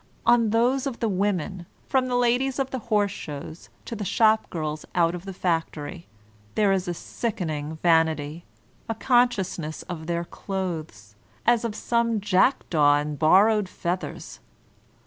On those of the women, from the ladies of the horse shows to the shop girls out of the factory, there is a sickening vanity, a consciousness of their clothes, as of some jackdaw in borrowed feathers.